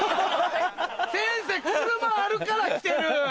先生車あるから来てる。